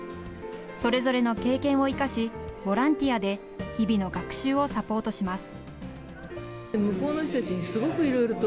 それぞれの経験を生かしボランティアで日々の学習をサポートします。